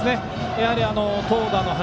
やはり投打の柱。